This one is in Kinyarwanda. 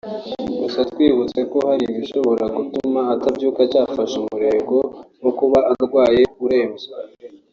Gusa twibutseko hari ibishobora gutuma utabyuka cyafashe umurego nko kuba urwaye urembye